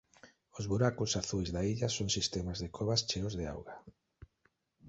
Os buracos azuis da illa son sistemas de covas cheos de auga.